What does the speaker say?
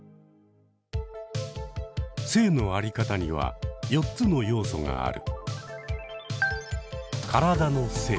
性の在り方には４つの要素がある。